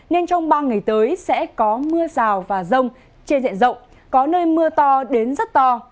nên trong ba ngày tới sẽ có mưa rào và rông trên diện rộng có nơi mưa to đến rất to